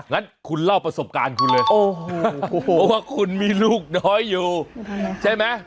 งั้นคุณเล่าประสบการณ์คุณเลยโอ้โหว่าคุณมีลูกน้อยอยู่ใช่ไหม